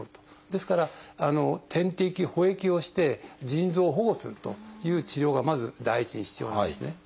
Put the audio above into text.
ですから点滴補液をして腎臓を保護するという治療がまず第一に必要なんですね。